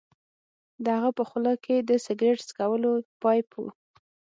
د هغه په خوله کې د سګرټ څکولو پایپ و